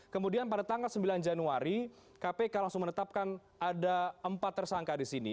kemudian pada tanggal sembilan januari kpk langsung menetapkan ada empat tersangka di sini